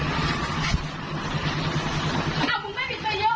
แล้วมึงมีสิ่งประมาณกันทำไมแล้วมึงมีสิ่งประมาณกันทำไม